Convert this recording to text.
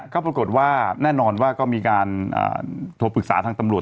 ก็ปรากฏว่าแน่นอนว่าก็มีการโทรปรึกษาทางตำรวจ